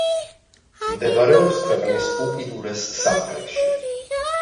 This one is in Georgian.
მდებარეობს ქვეყნის უკიდურეს სამხრეთში.